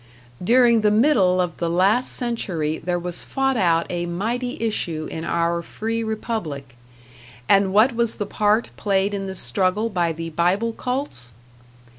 During the middle of the last century there was fought out a mighty issue in our free republic; and what was the part played in this struggle by the Bible cults?